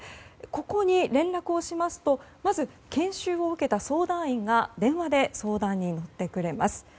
ここに連絡をしますとまず研修を受けた相談員が電話で相談に乗ってくれます。